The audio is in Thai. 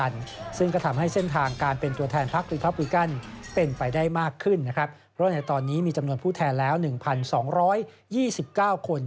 เพราะว่าในตอนนี้มีจำนวนผู้แทนแล้ว๑๒๒๙คน